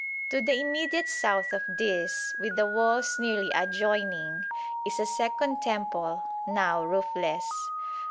To the immediate south of this, with the walls nearly adjoining, is a second temple, now roofless.